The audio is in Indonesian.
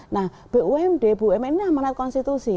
nah bumd bumn ini amanat konstitusi